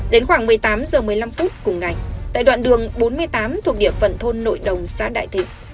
đến khoảng một mươi tám h một mươi năm phút cùng ngày tại đoạn đường bốn mươi tám thuộc địa phận thôn nội đồng xã đại thịnh